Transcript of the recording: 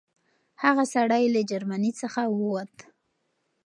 هغه سړی له جرمني څخه ووت.